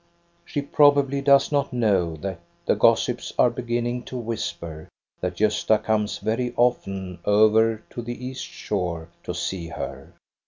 ^ho probably does not know that the gossips are K^inning to whisper that Gosta comes very often over to the east shore to see her.